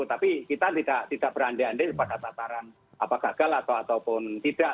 tapi kita tidak berande ande pada tataran apakah gagal atau tidak